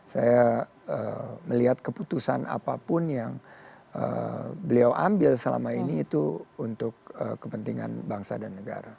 saya melihat keputusan apapun yang beliau ambil selama ini itu untuk kepentingan bangsa dan negara